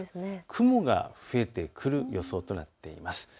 雲が増えてくる予想となっています。